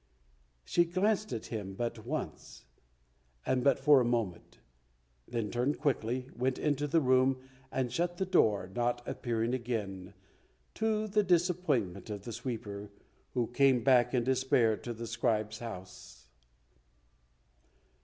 She glanced at him but once, and but for a moment, then turned quickly, went into the room, and shut the door, not appearing again, to the disappointment of the sweeper, who came back in despair to the scribe's house.